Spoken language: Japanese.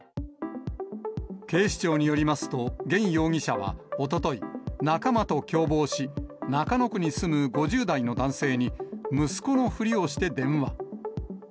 警視庁によりますと、玄容疑者はおととい、仲間と共謀し、中野区に住む５０代の男性に、息子のふりをして電話。